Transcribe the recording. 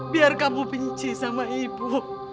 biar kamu benci sama ibu